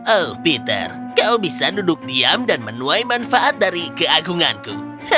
oh peter kau bisa duduk diam dan menuai manfaat dari keagunganku